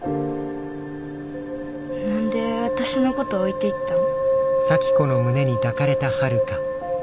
何で私のこと置いていったん。